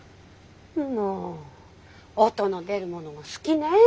もう音の出るものが好きね。